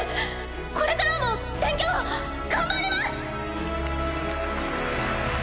これからも勉強頑張ります！